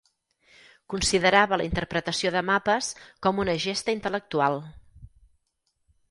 Considerava la interpretació de mapes com una gesta intel·lectual